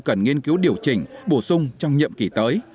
cần nghiên cứu điều chỉnh bổ sung trong nhiệm kỳ tới